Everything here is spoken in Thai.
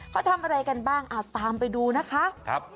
เขาทำอะไรกันบ้างตามไปดูนะคะ